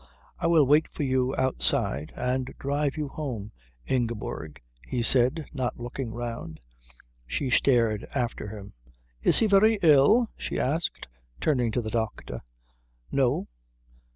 "I will wait for you outside and drive you home, Ingeborg," he said, not looking round. She stared after him. "Is he very ill?" she asked, turning to the doctor. "No." "No?"